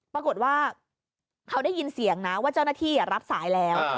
ปรากฏว่าเขาได้ยินเสียงนะว่าเจ้าหน้าที่รับสายแล้ว